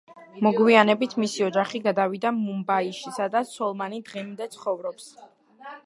მოგვიანებით მისი ოჯახი გადავიდა მუმბაიში, სადაც სალმანი დღემდე ცხოვრობს.